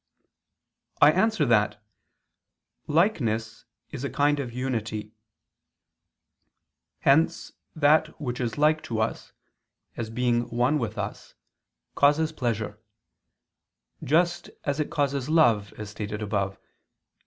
I answer that, Likeness is a kind of unity; hence that which is like us, as being one with us, causes pleasure; just at it causes love, as stated above (Q.